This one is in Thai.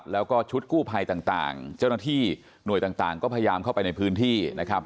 แล้วก็ชุดกู้ภัยต่างเจ้าหน้าที่หน่วยต่างก็พยายามเข้าไปในพื้นที่นะครับ